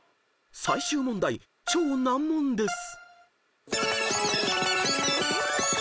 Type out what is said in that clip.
［最終問題超難問です］